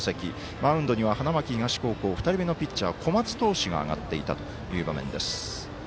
マウンドには花巻東高校２人目のピッチャー、小松投手が上がっていた場面です。